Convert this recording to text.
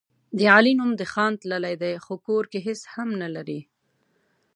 د علي نوم د خان تللی دی، خو کور کې هېڅ هم نه لري.